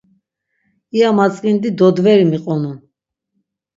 İya matzk̆indi dodveri miqonun.